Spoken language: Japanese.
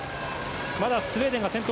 まだスウェーデンが先頭。